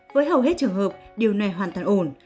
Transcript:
với hầu hết trường hợp điều này hoàn toàn ổn